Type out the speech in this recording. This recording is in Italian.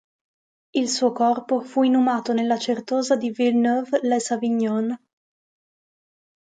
Il suo corpo fu inumato nella certosa di Villeneuve-lés-Avignon.